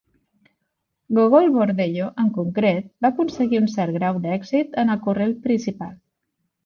Gogol Bordello, en concret, va aconseguir un cert grau d'èxit en el corrent principal.